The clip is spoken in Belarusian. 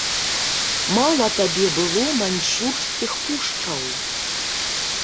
Мала табе было маньчжурскіх пушчаў?